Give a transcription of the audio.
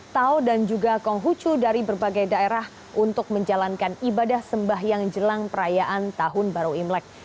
tau dan juga konghucu dari berbagai daerah untuk menjalankan ibadah sembahyang jelang perayaan tahun baru imlek